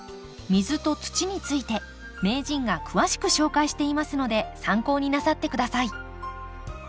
水と土について名人が詳しく紹介していますので参考になさって下さい。